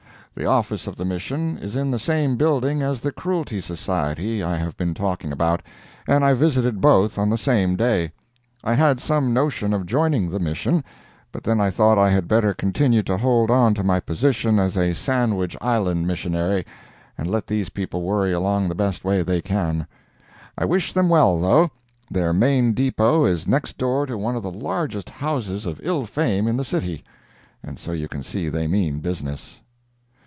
The office of the Mission is in the same building as the Cruelty Society I have been talking about, and I visited both on the same day. I had some notion of joining the Mission, but then I thought I had better continue to hold on to my position as a Sandwich Island Missionary and let these people worry along the best way they can. I wish them well, though. Their main depot is next door to one of the largest houses of ill fame in the city, and so you can see they mean business.